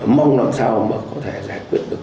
mong làm sao mà có thể giải quyết được